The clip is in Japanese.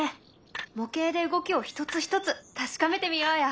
模型で動きを一つ一つ確かめてみようよ。